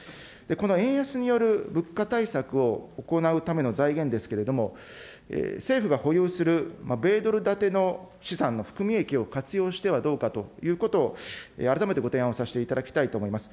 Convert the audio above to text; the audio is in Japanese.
この円安による物価対策を行うための財源ですけれども、政府が保有する米ドル建ての資産の含み益を活用してはどうかということを、改めてご提案をさせていただきたいと思います。